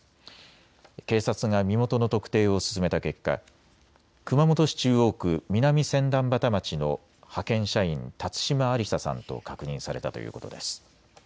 警察が身元の特定を進めた結果、熊本市中央区南千反畑町の派遣社員、辰島ありささんと確認されたということです。